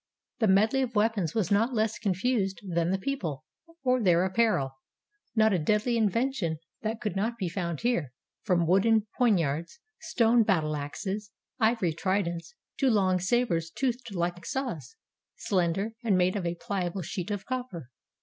The medley of weapons was not less confused than the people, or their apparel. Not a deadly invention that could not be found here, from wooden poniards, stone battle axes, ivory tridents, to long sabers toothed like saws, slender, and made of a pliable sheet of copper.